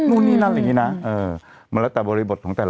อืมนะ